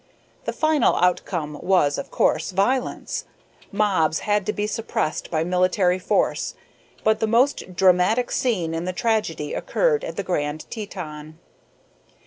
The final outcome was, of course, violence. Mobs had to be suppressed by military force. But the most dramatic scene in the tragedy occurred at the Grand Teton.